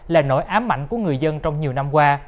là nỗi ám ảnh của người dân trong nhiều năm qua